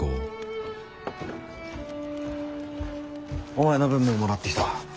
おお！お前の分ももらってきた。